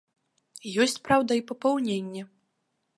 Ёсць, праўда, і папаўненне.